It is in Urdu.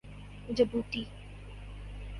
جبوتی